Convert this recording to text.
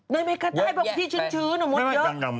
อเมริกาใต้ที่ชื้นชื้นมดเยอะ